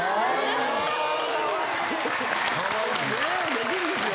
できるんですよ。